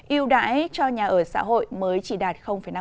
yêu đãi cho nhà ở xã hội mới chỉ đạt năm